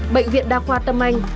bệnh viện đa qua tâm anh